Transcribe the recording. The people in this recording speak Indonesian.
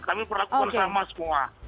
kami berlakukan sama semua